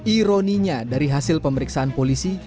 ironinya dari hasil pemeriksaan polisi